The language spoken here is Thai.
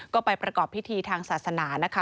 ก็ไปประกอบพิธีทางศาสนานะคะ